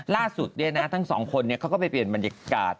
ล่าสุดเนี่ยนะทั้งสองคนเนี่ยเขาก็ไปเปลี่ยนบรรยากาศ